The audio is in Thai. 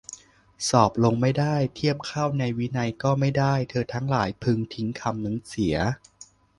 สอบลงไม่ได้ เทียบเข้าในวินัยก็ไม่ได้ เธอทั้งหลายพึงทิ้งคำนั้นเสีย